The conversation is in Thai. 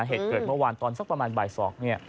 เหตุเกิดเมื่อวานตอนสักประมาณ๒นาที